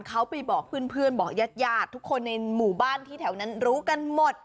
เขาไปบอกเพื่อนบอกญาติญาติทุกคนในหมู่บ้านที่แถวนั้นรู้กันหมด